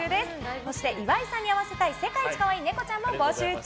そして、岩井さんに会わせたい世界一可愛いネコちゃんも募集中。